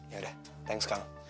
yaudah thanks kal